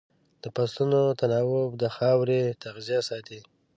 د فصلونو تناوب د خاورې تغذیه ساتي.